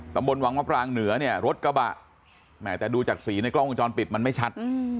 ตำบลวังมะปรางเหนือเนี่ยรถกระบะแหมแต่ดูจากสีในกล้องวงจรปิดมันไม่ชัด